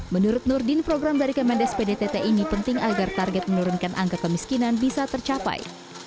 menurut nurdin program dari kemendes pdtt ini penting agar target menurunkan angka kemiskinan bisa tercapai